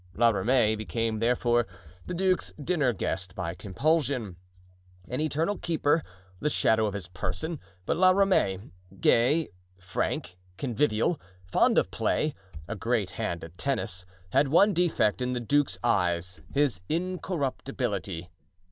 La Ramee became, therefore, the duke's dinner guest by compulsion—an eternal keeper, the shadow of his person; but La Ramee—gay, frank, convivial, fond of play, a great hand at tennis, had one defect in the duke's eyes—his incorruptibility.